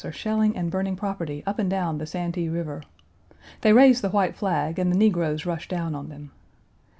Page 197 shelling and burning property up and down the Santee River. They raise the white flag and the negroes rush down on them.